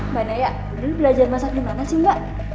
mbak naya dulu belajar masak di mana sih mbak